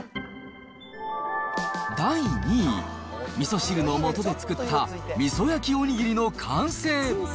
第２位、みそ汁のもとで作ったみそ焼きおにぎりの完成。